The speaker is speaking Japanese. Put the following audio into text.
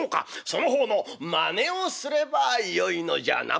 その方のまねをすればよいのじゃな？」。